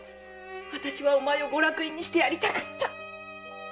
わたしはお前をご落胤にしてやりたかった！